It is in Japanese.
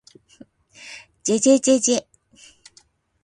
ｗ じぇじぇじぇじぇ ｗ